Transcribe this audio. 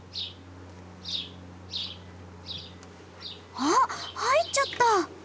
あっ入っちゃった。